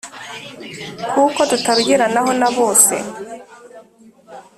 Kuko tutarugeranaho Na bose,